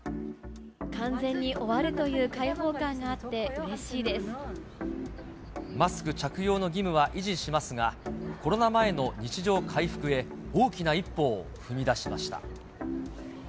完全に終わるという解放感がマスク着用の義務は維持しますが、コロナ前の日常回復へ、大きな一歩を踏み出しました。